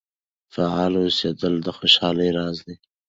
فعال اوسیدل د خوشحالۍ راز دی.